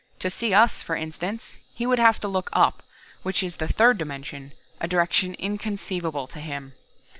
To see us, for instance, he would have to look up, which is the third dimension, a direction inconceivable to him.